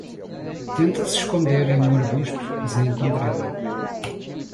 Tenta se esconder em um arbusto, mas é encontrada